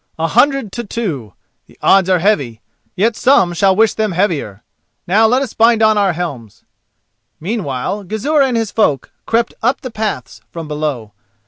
A hundred to two—the odds are heavy; yet some shall wish them heavier. Now let us bind on our helms." Meanwhile Gizur and his folk crept up the paths from below.